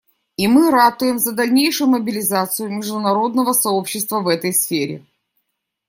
И мы ратуем за дальнейшую мобилизацию международного сообщества в этой сфере.